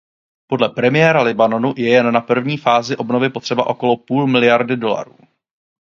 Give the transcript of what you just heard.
Podle premiéra Libanonu je jen na první fázi obnovy potřeba okolo půl miliardy dolarů.